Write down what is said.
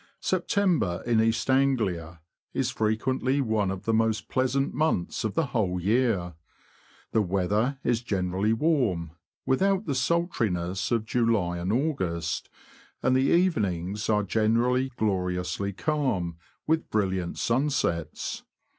P<|(1EPTEMBER in East Anglia is frequently one of the most pleasant months of the whole LnJJ year. The weather is generally warm, with out the sultriness of July and August, and the evenings are generally gloriously calm, with brilliant sunsets.